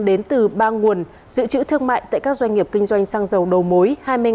đến từ ba nguồn dự trữ thương mại tại các doanh nghiệp kinh doanh xăng dầu đầu mối